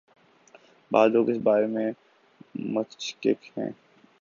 بعض لوگ اس بارے میں متشکک ہیں۔